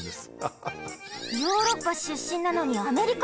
ヨーロッパしゅっしんなのにアメリカ！？